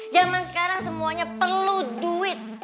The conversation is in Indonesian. zaman sekarang semuanya perlu duit